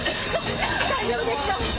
大丈夫ですか？